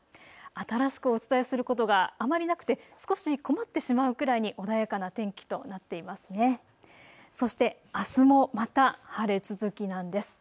新しくお伝えすることがあまりなくて少し困ってしまうくらいに穏やかな天気となっていますね。